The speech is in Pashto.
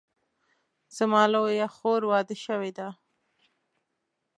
زما لویه خور واده شوې ده